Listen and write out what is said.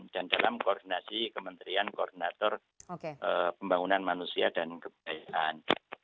dan dalam koordinasi kementerian koordinator pembangunan manusia dan kebudayaan